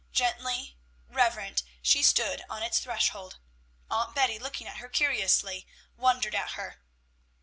Gently reverent she stood on its threshold. Aunt Betty, looking at her curiously, wondered at her.